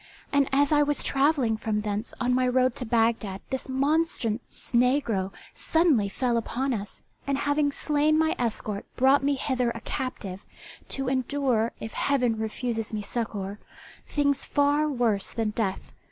And as I was travelling from thence on my road to Bagdad this monstrous negro suddenly fell upon us, and having slain my escort brought me hither a captive, to endure, if Heaven refuses me succour, things far worse than death.